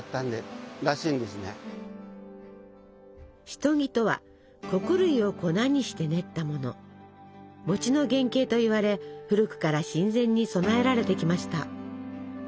シトギとは穀類を粉にして練ったもの。の原型といわれ古くから神前に供えられてきました。